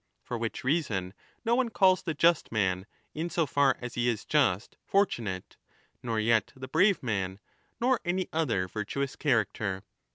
For which reason no one calls the just man, in so far as he is 20 just, fortunate, nor yet the brave man, nor any other virtuous character.